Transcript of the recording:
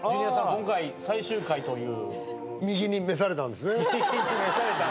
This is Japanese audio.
今回最終回という。